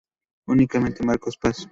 Únicamente Marcos Paz.